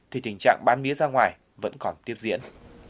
thì tình trạng bán mía ra ngoài vẫn còn tiếp diễn